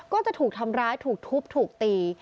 ก็จะถูกทำร้ายถูกทุบถูกตี